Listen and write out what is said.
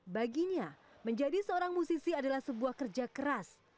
baginya menjadi seorang musisi adalah sebuah kerja keras